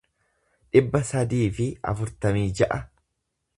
dhibba sadii fi afurtamii ja'a